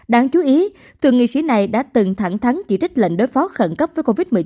đáng chú ý từng nghị sĩ này đã từng thẳng thắng chỉ trích lệnh đối phó khẩn cấp với covid một mươi chín